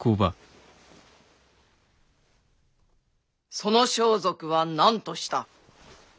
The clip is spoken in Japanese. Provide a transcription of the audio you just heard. その装束は何とした？